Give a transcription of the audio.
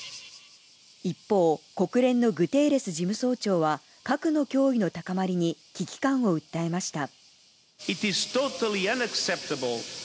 一方、国連のグテーレス事務総長は、核の脅威の高まりに危機感を訴えました。